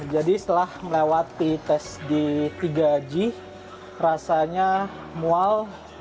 jadi setelah melewati tes di tiga g rasanya mual